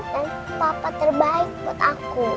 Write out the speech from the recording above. dan papa terbaik buat aku